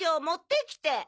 持ってきて。